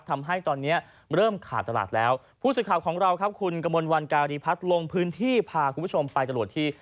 ทำให้ตอนเนี้ยเริ่มขาดตลาดแล้วผู้สื่อข่าวของเราครับคุณกระมวลวันการีพัฒน์ลงพื้นที่พาคุณผู้ชมไปตรวจที่